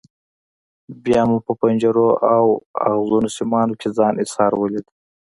بیا مو په پنجرو او ازغنو سیمانو کې ځان ایسار ولید.